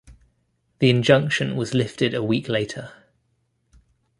The injunction was lifted a week later.